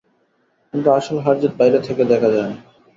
কিন্তু আসল হারজিত বাইরে থেকে দেখা যায় না।